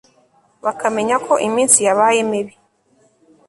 bakamenya ko iminsi yabaye mibi